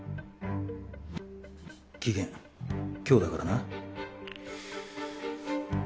期限今日だからな。